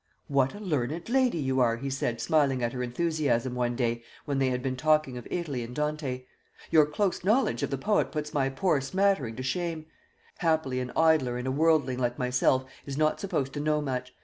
"What a learned lady you are!" he said, smiling at her enthusiasm one day, when they had been talking of Italy and Dante; "your close knowledge of the poet puts my poor smattering to shame. Happily, an idler and a worldling like myself is not supposed to know much.